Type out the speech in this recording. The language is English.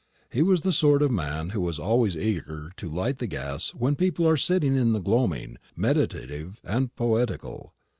He was the sort of man who is always eager to light the gas when people are sitting in the gloaming, meditative and poetical.